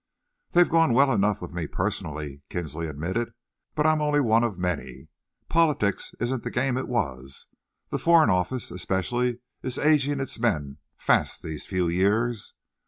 "They've gone well enough with me personally," Kinsley admitted, "but I'm only one of many. Politics isn't the game it was. The Foreign Office especially is ageing its men fast these few years.